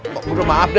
tidak ada yang bercanda